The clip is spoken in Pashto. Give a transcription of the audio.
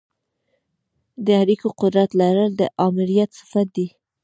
د اړیکو قدرت لرل د آمریت صفت دی.